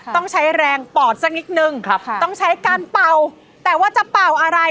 ต้องใช้แรงปอดสักนิดนึงต้องใช้การเป่าแต่ว่าจะเป่าอะไร